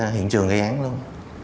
hiện trường gây án luôn